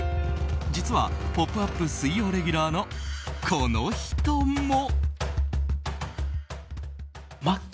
実は「ポップＵＰ！」水曜レギュラーのこの人も。